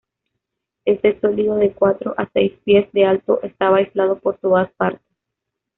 Este sólido de cuatro a seis pies de alto estaba aislado por todas partes.